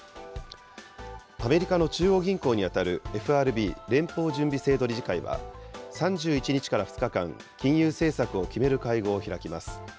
アメリカの中央銀行に当たるＦＲＢ・連邦準備制度理事会は、３１日から２日間、金融政策を決める会合を開きます。